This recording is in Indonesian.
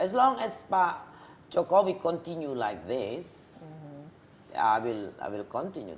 as long as pak jokowi terus seperti ini saya akan terus